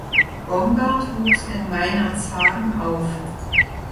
Bongard wuchs in Meinerzhagen auf.